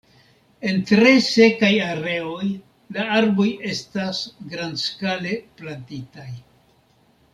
En tre sekaj areoj la arboj estas grandskale plantitaj.